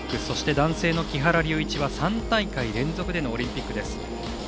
そして、男性の木原龍一は３大会連続でのオリンピックです。